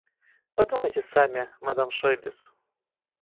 Подумайте сами, мадам Шойбес